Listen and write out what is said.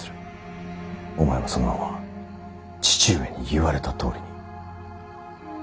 お前はそのまま父上に言われたとおりに。